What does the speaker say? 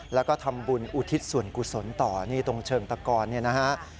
แล้วก็ทำบุญอุทิศส่วนกุศลต่อนี่ตรงเชิงตะกอนเนี่ยนะฮะ